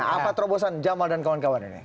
apa terobosan jamal dan kawan kawan ini